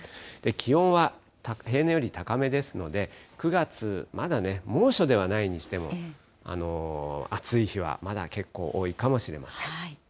気温は平年より高めですので、９月、まだね、猛暑ではないにしても、暑い日はまだ結構、多いかもしれません。